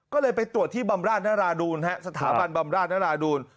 ก็เลยไปตรวจที่บำราชนราดูลสถาบันบำราชนราดูล